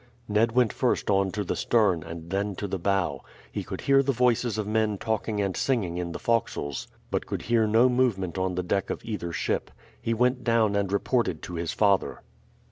Ned went first on to the stern, and then to the bow. He could hear the voices of men talking and singing in the forecastles, but could hear no movement on the deck of either ship. He went down and reported to his father.